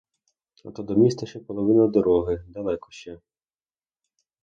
А то до міста ще половина дороги, далеко ще.